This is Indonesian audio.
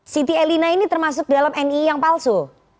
siti elina ini termasuk dalam nii yang palsu